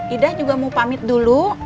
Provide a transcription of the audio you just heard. ida juga mau pamit dulu